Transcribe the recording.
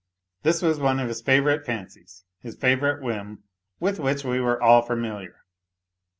Tliis was one of his favourite fancies, his favourite whim, with which we were all familiar.